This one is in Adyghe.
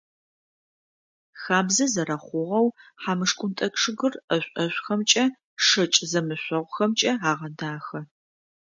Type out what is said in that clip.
Хабзэ зэрэхъугъэу, хьамышхунтӏэ чъыгыр ӏэшӏу-ӏушӏухэмкӏэ, шэкӏ зэмышъогъухэмкӏэ агъэдахэ.